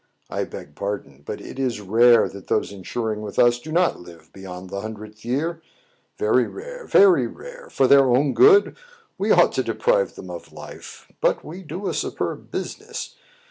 I beg pardon ; but it is rare that those insuring with us do not live beyond the hundredth year, — very rare, very rare ! For their own good, we ought to deprive them of life. But we do a superb business.